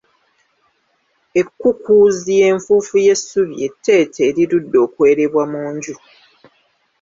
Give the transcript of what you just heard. Ekkukuuzi y'enfuufu y'essubi etteete erirudde okwerebwa mu nju .